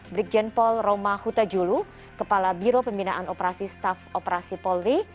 brigjen paul roma huta julu kepala biro pembinaan operasi staf operasi polri